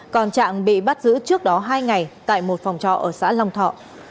còn trạng bị bắt giữ trước đó hai ngày tại một phòng trọ ở xã long thọ